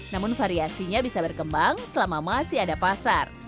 namun variasinya bisa berkembang selama masih ada pasar